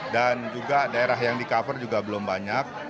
dan juga daerah yang di cover juga belum banyak